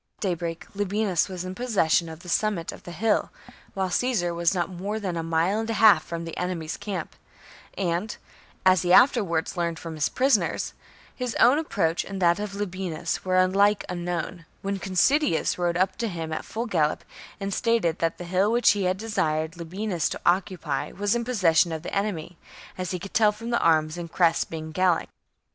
22. At daybreak Labienus was in possession of the summit of the hill, while Caesar was not more than a mile and a half from the enemy's camp, and, as he afterwards learned from prisoners, his own approach and that of Labienus were alike unknown, when Considius rode up to him at full gallop, and stated that the hill which he had desired Labienus to occupy was in possession of the enemy, as he could tell from the arms and crests being Gallic.